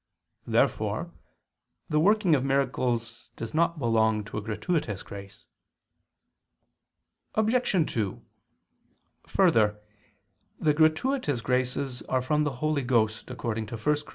Therefore the working of miracles does not belong to a gratuitous grace. Obj. 2: Further, the gratuitous graces are from the Holy Ghost, according to 1 Cor.